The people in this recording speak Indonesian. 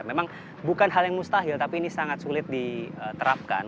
memang bukan hal yang mustahil tapi ini sangat sulit diterapkan